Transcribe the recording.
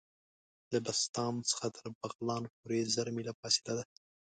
له بسطام څخه تر بغلان پوري زر میله فاصله ده.